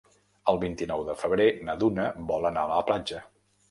El vint-i-nou de febrer na Duna vol anar a la platja.